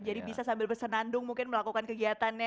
jadi bisa sambil bersenandung mungkin melakukan kegiatannya